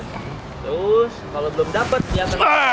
terus kalau belum dapat dia akan cari leher